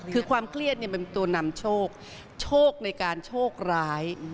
คือความเครียดเนี่ยเป็นตัวนำโชคโชคในการโชคร้าย